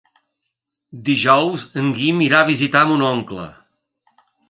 Dijous en Guim irà a visitar mon oncle.